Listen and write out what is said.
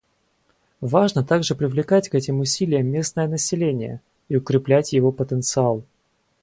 Важно также привлекать к этим усилиям местное население и укреплять его потенциал.